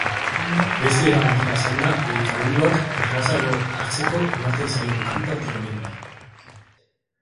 Beste era batera esanda, medikamentuak errazago hartzeko ematen zaion kanpo-antolamendua.